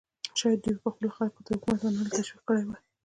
شاید دوی به خپلو خلکو ته د حکومت منلو ته تشویق کړي وای.